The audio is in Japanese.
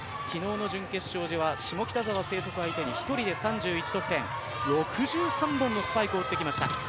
昨日の準決勝では下北沢成徳相手に１人で３１得点６３本のスパイクを打ってきました。